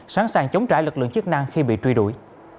sẵn sàng chống trả lực lượng chức năng khi bị truy đuổi